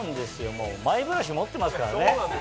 もうマイブラシ持ってますからね。